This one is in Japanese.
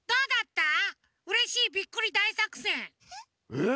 えっ？